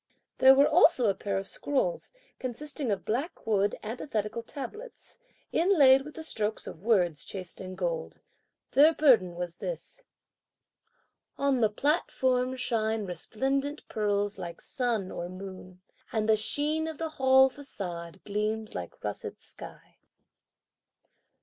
There was also a pair of scrolls consisting of black wood antithetical tablets, inlaid with the strokes of words in chased gold. Their burden was this: On the platform shine resplendent pearls like sun or moon, And the sheen of the Hall façade gleams like russet sky.